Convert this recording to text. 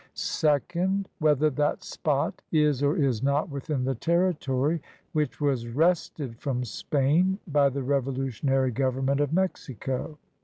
Second. Whether that spot is or is not within the terri tory which was wrested from Spain by the revolutionary government of Mexico.